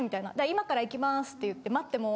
今から行きますって言って待っても。